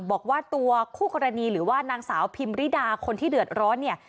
บอกว่าตัวคู่กรณีหรือว่านางสาวพิมริดาคนที่เดือดร้อนเนี่ย